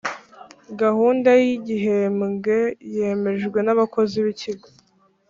gahunda y igihembwe yemejwe nabakozi bikigo